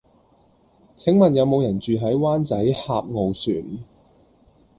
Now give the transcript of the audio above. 請問有無人住喺灣仔峽傲璇